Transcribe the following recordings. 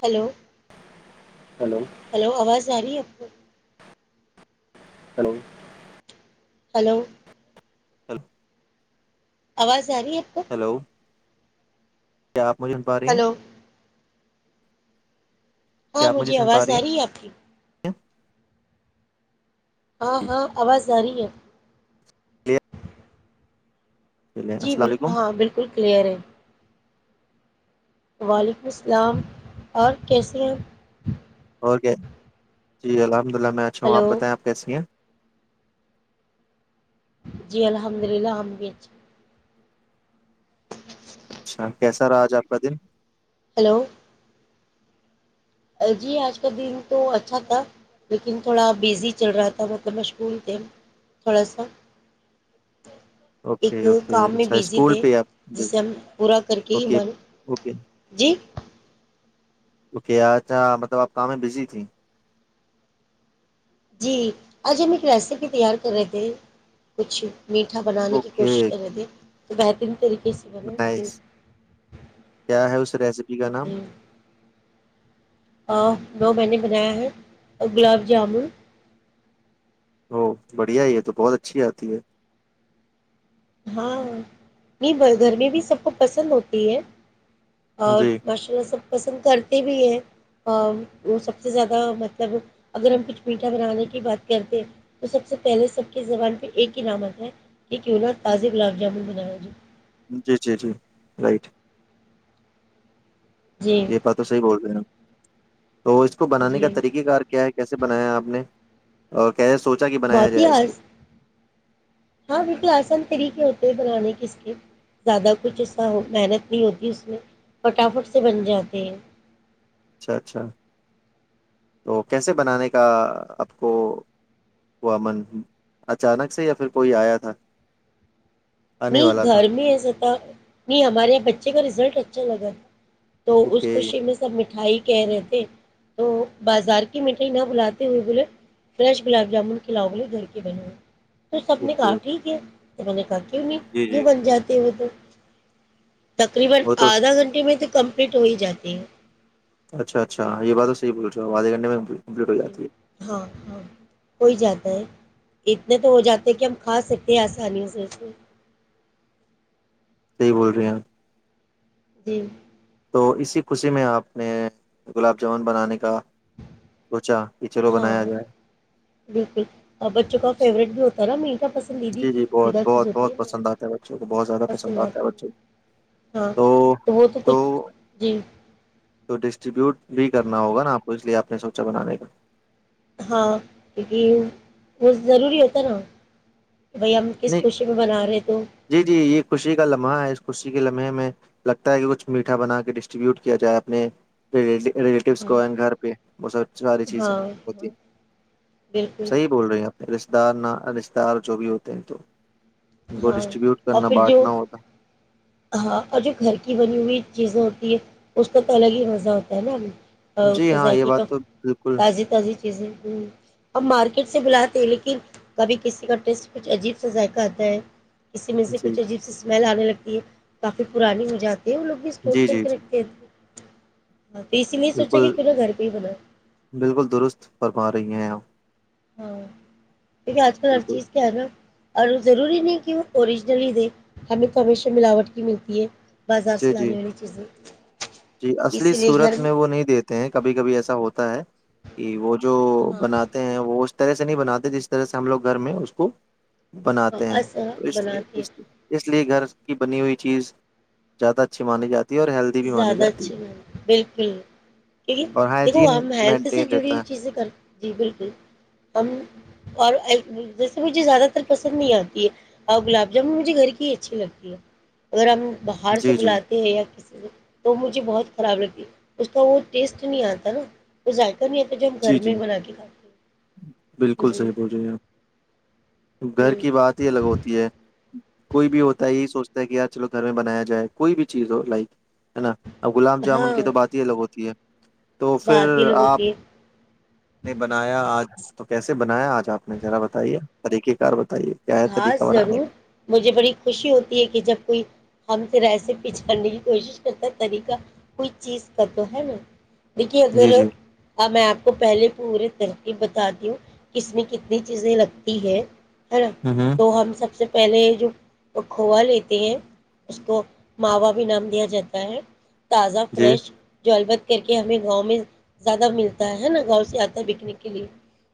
Hello hello hello آواز [inaudible] سری اپ [inaudible] hello [inaudible] hello hello آواز [inaudible] جا رہی ہے آپ کو کیا آپ مجھے م پا رہی ہیں ہلو ہاں کیا آپ مجھے سن آواز پا آ رہی ہے آپ کی [inaudible] ہاں ہاں آواز جاری ہے چلیے جی ب السلام علیکم ہاں بالکل کلیئر ہے وعلیکم السلام اور کیسرے؟ اور کیا جی ہےا الحمد للہ میں اچا ہ ہلو آپتائ آپ کیسی ہیں ی الحمد للہحم اچھا کیسا رہا آج آپ کا دن ہلو جی آج کا دن تو اچھا تھا لیکن تھوڑا بزی چل رہا تھا مطلب مشغول تھے تھوڑا سا ایک اوکے اوکے کام میں اچھا بزی اسکول تھے پہ آپ جسے بزی؟ ہم پورا کر کے ہی اوکے من جی اکے اچھا مطلب آپ کام میں بزی تھی جی آج ہم ایک ریسیپی تیار کر رہے تھے کچھ میٹھا بنانے کی کوشش کر رہے تھے تو بہترین طریقے سے بنا نہیں جی کیا ہے س جی کا نام آ وہ میں نے بنایا ہے گلاب جامن ا بڑھیا ہی یہ تو بہت اچھی آتی ہے ہاں نہیں گھر میں بھی سب کو پسند ہوتی ہے اور جی ماشاء اللہ سب پسند کرتے بھی ہیں وہ سب سے زیادہ مطلب اگر ہم کچھ میٹھا بنانے کی بات کرتے ہیں تو سب سے پہلے سب کے زبان پہ ایک ہی نامت ہے کہ کیوں نہ تازی گلاب جامن بنایں جی جی جی جی رائٹ جی یہ پ تو صحی بول رہ ہیںا تو اس کو بنانے کا جی طریقہ کار کیا ہے کیسے بنایا آپ نے اوکے کہے سوچا کہ بنایا بہت ہی جائے اس کو ہاں بالک آسان طریقے ہوتے ہیں بنانے کے اس کے زیادہ کچھ ایسا محنت نہیں ہوتی اس میں پٹافٹ سے بن جاتے ہیں اچھا اچھا تو کیسے بنانے کا آپ کو ہوا من اچانک سے یا پھر کوئی آیا تھا آنے نہیں والا تھا گھر میں ایسا نہیں ہمارے یہاں بچے کا رزلٹ اچ ج نگر تو اس اوکے خوشی میں سب مٹھائی کہ رہے تھے تو بازار کی مٹھائی نہ بھلاتے ہوئے بولے فریش گلاب جامن کھلاؤ بولے گھر کے بنئے تو سب نے کہا اوکے ٹھیک ہے م نے کر کیوں نہیں جی وں جی بن جاتے وہ تو [inaudible] وہ تو کمپلیٹ ہو ہی جاتی ہے اچھا اچھ یہ بات توح بول رہ ہو آدادے گنے میں کمپلیٹ ہو جی جاتی ہے ہاں ہاں کوئی جاتا ہے اتنے تو ہو جاتے کہ ہم کھا سکتے ہیں آسانیوں سے اس میں صحیح بول رہے ہیں آپ جی تو اسی خوشی میں آپ نے گلاب جامن بنانے کا سوچا کہ چلو ہاں بنایا جائے بالکل اور بچوں کا فیوریٹ بھی ہوتا ہے نا م جی جی بہت بہت بہت پسند آتا ہے بچوں کو بہت زیادہ پسند آتا ہے بچوں کو ہاں تو تو جی تو ڈسٹریبیوٹ بھی کرنا ہوگا نا آپ کو سوچھ لیا آپ نے سوچا بنانے کا ہاں کیونکہ وہ ضروری ہوتا نا بھائی ہم کس نہیں خوشی میں بنا رہے تو جی جی یہ خوشی کا لمحہ ہے خوشی کے لمحے میں لگتا ہے کہ کچھ میٹھا بنا کے ڈسٹریبیوٹ کیا جائے اپنے ریٹو ریلیٹیوس ہاں کوئ گھر پہ وہ سب ساری ہاں چیزیں ہوتی ہاں ہیں بالکل صحیح بول رہے ہیں آپ رشتے دار رشتے دار جو بھی ہو تھینک یو ہاں اور پھر جو ہاں اور جو گھر کی بنی ہوئی چیزیںتی اس کا تو الگ ہی مزہ ہوتا ہے نا ابھی اور ہے۔ اس جی کے ہاں یہ ذائقی کا بات تو بالکل تازی تازی ا مارکیٹ سے بلاتے لیکن کبھی کسی کا ٹیسٹ کچھ عجیب سے ذائقہ جھ اس میں سے جی کچھ عیب س محل آنے لگتی ہے کافی پرانی ہو جاتی د وہ لوگ بھی اسٹور جی کر جی کے جی رکھتے تھے بالکل نہ گھر پہ ہی بناؤ بالکل درست فرما رہی ہیں آپ ہاں کیونکہ آج کل ہر بالکل چیز کیا ہے نا اور وہ ضروری نہیں کہ وہ اوریجنل ہی دے ہمیں کو ہمیشہ ملاوٹ کی ملتی ہے بازار جی سے جی لانے والی چیزیں جی اصلی اسی لیے گھر صورت میں وہ نہیں دیتے ہیں کبھی کبھی ایسا ہوتا ہے یہ وہ جو ہاں بناتے ہیں وہ طرح سے نہیں بناتے جس طرح سے ہم لوگ گھر میں اس کو ہاں بناتے ہیں ایسا تو اس لیے بناتے ہیں اس اس لیے گھر کی بنی ہوئی چیز زیادہ اچھی مانی جاتی ہے اور ہیلدی بھی مانی زیادہ جاتی اچھی ہے م بالکل کیونکہ اور دیکھو ہائجین ہم ہیلتھ سے مینٹین جڑی ہوئی رہتا ہے چیزیں کر جی بالکل ہم اور جیسے مجھے زیادہ تر پسند نہیں آتی ہے اور گلاب جامن مجھے گھر کی ہی اچھی لگتی ہے اگر ہم باہر سے جی جی بلاتے ہیں یا کسی تو مجھے بہت خراب لگتی اس کا وہ ٹیسٹ نہیں آتا نا نہیں تو جو ہم جی گھر میں جی بنا کے کھاتے بالکل ہیں ج صحیح بول رہی ہیں گھر کی بات ہی الگ ہوتی ہے کوئی بھی ہوتا ہے یہی سوچتا ہے کہ یار چلو گھر میں بنایا جائے کوئی بھی چیز ہو لائک ہے نا اور گلاب جامن ہاں کی تو بات ہی الگ ہوتی ہے تو پھر بات یہ لوگ آپ ہوتی ہے نہیں بنایا آج تو کیسے بنایا آج آپ نے ذرا بتائیے طریقہ کار بتائیے کیا ہے ہاں طریقہ بنانے ضرور کا مجھے بڑی خوشی ہوتی ہے کہ جب کوئی ہم پھر ایسے پچھاڑنے کی کوشش کرتا طریقہ کوئی چیز کا تو ہے نا دھیی اگر جی جی میںیں کو پہلے پوری ترکیب بتا دوں ک میں کتنی چیزیں لگتی ہے ا ہ ہ تو ہم سب سے پہلے جو کھووا لیتے ہیں اس کو ماوا بھی نام دیا جاتا ہے تازہ جی فریش جلبت کر کے ہمیں گاؤں میں زیادہ ملتا ہے نا گاؤں سے آتا ہے بکنے کے لیے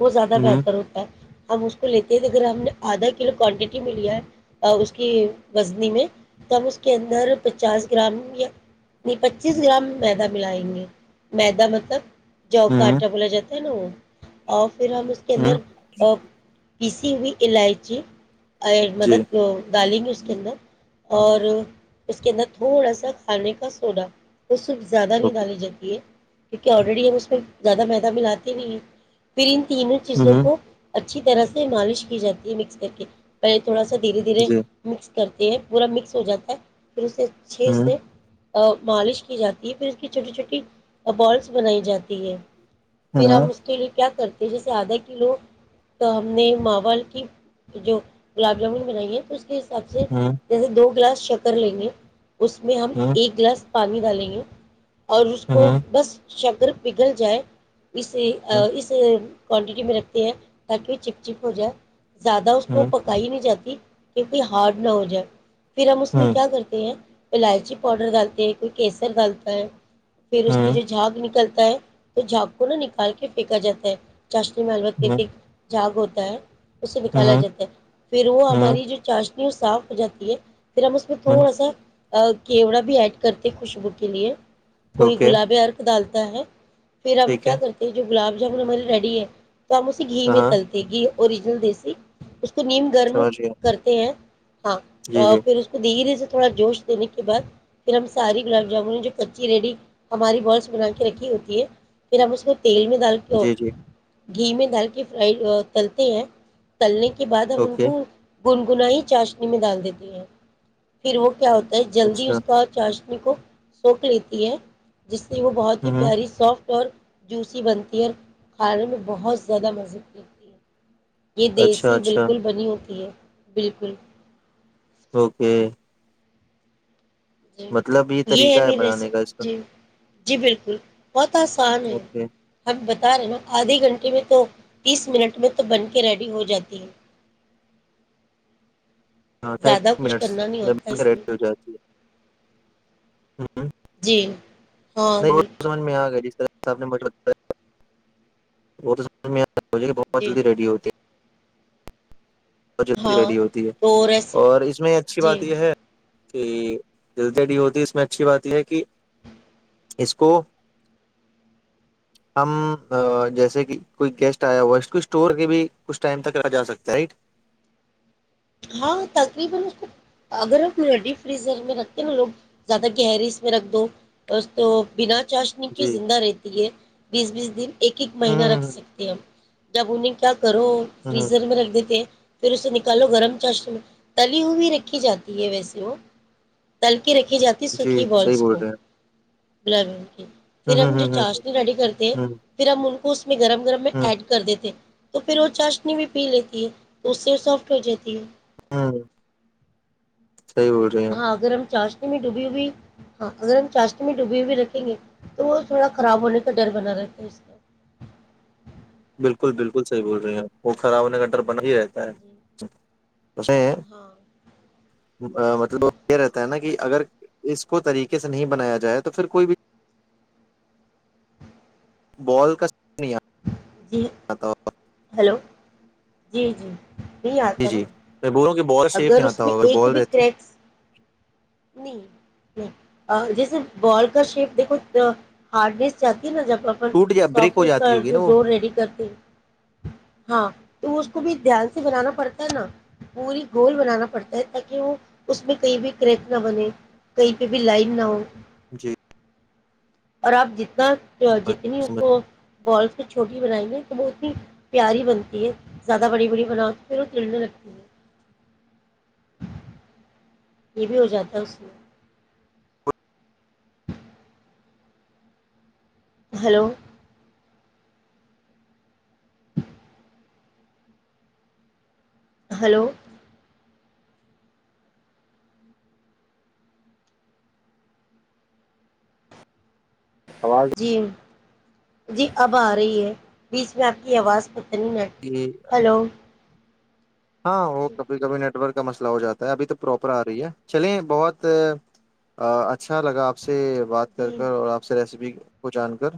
وہ زیادہ ہ بہتر ہوتا ہے ہمب اس کو لیتے ہیں ا ہم نے آدھا کلو کوانٹٹی میں لیا ہے اس کی وزنی میں تو ہم اس کے اندر پچاس گرام یا پچیس گرام میدا ملائیں گے میدا مطلب جاؤ ہ کاٹا بولا جاتا ہیلو اور پھر ہم اس کے ہ اندر [unintelligible] ہوئی الائچی اور جی مدد کر دالی میں اس کے اندر اور اس کے اندر تھوڑا سا کھانے کا سوڈا وہ صرف زیادہ نہیں اوکے ڈالی جاتی ہے کیونکہ آلریڈی ہم اس میں زیادہ میدہ ملاتے نہیں ہیں پھر ان تینوں ہوں چیزوں ہوں کو اچھا اچھی طرح سے مالش کی جاتی ہے مکس کر کے پہل تھوڑا س دھیرے دھیرے جی مکس کرتے ہیں پورا مکس ہو جاتا ہے ان س سے چھ ہوں سے [unintelligible] مالش کی جاتی ہے پھر اس کی چھوٹی چھوٹی بالس بنائی جاتی ہے پھر ہوں ہم اس کے لیے کیا کرتے جیسے آدھا کلو تو ہم نے کی جو گلاب جامن بنائی ہے تو اس حساب سے ہوں جیسے دو گلاس شکر لیں گے اس میں ہم ہوں ایک گلاس پانی ڈالیں گے اور اس ہوں کو ہوں بس شکر پگھل جائے اس ہوں اسے کوانٹٹی میں رکھتے ہیں تاکہ چپ چپ ہو جائے زیادہ اس کو ہوں پکائی نہیں جاتی کیئی ہارڈ نہ ہو جائے پھر ہم اس میں کیا کرتے ہیں الائچی پاؤڈر گالتے ہیں کوئی کیسر گالتا ہے پھر اس کی جو ہوں جھاگ نکلتی ہے تو جھاگ کو نہ نکال کے پھینکا جاتا ہے چاشنی معلومت کی ت جاگ ہوتا ہے اسے نکالا ہوں جاتا ہے پھر وہ ہوں ہماری جو چاش صاف ہو جاتی ہے پھرم اس میں ہوں تھوڑا سا کیوڑا بھی ایڈ کرتے خوشبو کے لیے کوئی اوکے گلاب ارک ڈالتے تا ہے [inaudible] پھر ہم ٹھیک کیا ہے کرتے ہیں جو گلاب جامن مری ریڈی ہے تو ہم اسے گھی میں ہاں تلتے گھی اور جلد س کو نیم گرم سمجھ گیا کرتے ہیں جی ہاں جی پھر اس کو دھیرے تھوڑا جوش دینے کے بعد پھر ہم ساری گلاب جامن جو کچی ریڈی ہماری بالس بنا کے رکھی ہوتی ہے پھر ہم اس کو تیل میں دال پ جی جی گھی میں ڈال کے فرائی تلتے ہیں تللی کے بعد ہم ان اوکے کو گنگنا ہی چاشنی میں ڈال دیتی ہے پھر وہ کیا ہو جلدی اچھا اس کا چارج ان کو سوکھ لیتی ہے جس سے وہ بہت ہی ہوں پیاری سافٹ اور جوسی بنتی ہے اور کھانے میں بہت زیادہ مزے لتی ہے یہ اچھا دیسی اچھا بالکل بنی ہوتی ہے بالکل اوکے جی مطلب یہ طریقہ ہے میری بنانے کا اس ریسیپ کا جی جی بالکل بہت آسان ہے اوکے ہم بتا رہے نا آدھے گھنٹے میں تو تیس منٹ میں تو بن کے ریڈی ہو جاتی ہے ہاں تھرٹی زیادہ کچھ منٹس کرنا نہیں میں ہوتا بن کے اس ریڈی ہو جاتی ہے ہ جی ہاں نہیں بالکل سم میں گا جس طرح سب نے م وہ تو سجے کہ بہت جی جلدی ہوتی ہے بہت جلدی ہاں ریڈی ہوتی ہے تو ریسیپی اور اس میں اچھی جی بات یہ ہے کہ جلدی ہوتی اس میں اچھی بات یہ ہے کہ اس کو ہم جیسے کہ کوئی گیسٹ آیا ہوا اس کو اسٹور کے بھی کچھ ٹائم تک جا سکتے رائٹ [inaudible] چاشنی کی جی زندہ رہتی ہے بیس بیس دن ایک ایک ہ مہینہ رکھ سکتے ہم جب انہیں کیا کرو ہ ہ فریزر میں رکھ دیتے ہیں پھر اسے نکالو گرم چشم تلی بھی رکھی جاتی ہے ویسے ہو تل کے رکھی جاتی جی سوکھی صحیح بالس بول کو رہے ل ہیں پھر ہ ہم جو ہ ہ چاشنی ریڈی کرتے ہیں ہ پھر ہم ان کو اپنے گرؤم گرم میں ہ ہ ایڈ کر دیتےے تو پھر وہ چاشنی بھی پی لیتی ہے تو اس سے سافٹ ہو جاتی ہے ہاں ہاں اگر ہم چار میں ڈوبی ہوئی ہاں اگر ہم چاشتی میں ڈوبی ہوئی رکھیں گے تو وہ تھوڑا خراب ہونے کا ڈر بنا رہتا ہے اس بالکل بالکل صحیح بول رہی ہیں وہ کرا ہونے کا ان ڈر بنا ہی رہتا ہے جی اس میں ہاں مطلب وہ یہ رہتا ہے نا کہ اگر اس کو طریقے سے نہیں بنایا جائے تو پھر کوئی بھی بال کا نہیں جی آتا ہوگا ہلو جی جی نہیں جی آتا نا جی میں بولوں کہ بال شیپ اگر نہیں اس آتا میں ہوگا ایک بال بھی رہتی کریکس نہیں نہیں جیسے بال کا شیپ دیکھو ہارڈنیس چ نا جب اپ ٹوٹ یا بریک سافٹ ہو جاتی کا ہوگی جو نا وہ ڈور ریڈی کرتے ہیں ہاں تو وہ اس کو بھی دھیان سے بنانا پڑتا ہے نا پوری گول بنانا پڑتا ہے تاکہ وہ اس میں کہیں بھی کریک نہ بنے کہیں پہ بھی لائن نہ ہو جی اور آپ جتنا تو جتنی سمجھ کو بال سے چھوٹی بنائی گے تو بہت ہی پیاری بنتی ہے زیادہ بڑی بڑی بناؤ تو پھر وہ تلنے لگتی ہے یہ بھی ہو جاتا ہے اس میں ہلو ہلو آواز جی جی اب آ رہی ہے بیچ میں آپ کی آواز پ جی ہلو ہاں وہ جی کبھی کبھی ن ور کا مسئلہ ہو جاتا ہے ابھی تو پراپر آ رہی ہے چلیے بہت اچھا لگا آپ سے سے بات کر جی کر اور آپ سے ریسیپی کو جان کر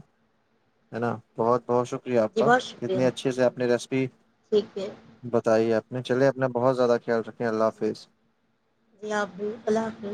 ہے نا بہت بہت شکر شکریہ آپ جی کا بہت شکریہ کتنے اچھے سے آپ نے ریسیپی ٹھیک ہے بتائی آپ میں چلے اپنا بہت زیادہ خیال رکھیں اللہ جی حافظ جی آبو اللاقو